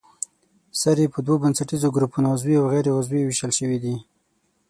سرې په دوو بنسټیزو ګروپونو عضوي او غیر عضوي ویشل شوې دي.